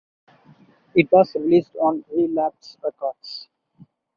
It was released on Relapse Records.